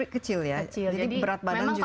kecil ya jadi berat badan juga di menaruhi